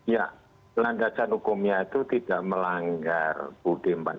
ya landasan hukumnya itu tidak melanggar ud empat puluh lima